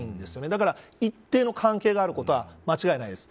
だから、一定の関係があることは間違いないです。